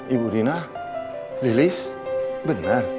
ibu rina lilis benar